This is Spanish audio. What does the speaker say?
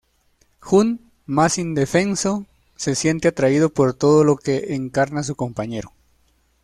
Jun, más indefenso, se siente atraído por todo lo que encarna su compañero.